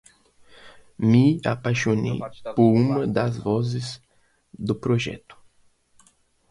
Me apaixonei por uma das vozes do projeto